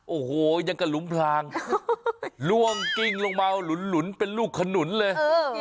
โอ้โหยังกระหลุมพลางล่วงกิ้งลงมาหลุนเป็นลูกขนุนเลย